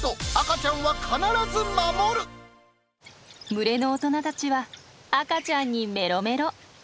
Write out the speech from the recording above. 群れの大人たちは赤ちゃんにメロメロ。